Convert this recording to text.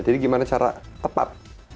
jadi gimana cara tepat